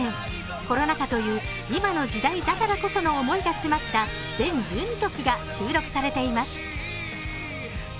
コロナ禍という今の時代だからこその思いが詰まった全１２曲が収録されています。